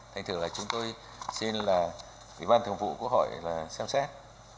thành thử là chúng tôi xin là ủy ban thường vụ quốc hội là xem xét